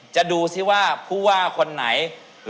ดูสิว่าผู้ว่าคนไหน